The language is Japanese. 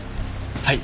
はい。